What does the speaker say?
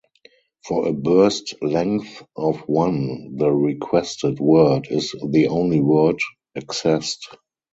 For a burst length of one, the requested word is the only word accessed.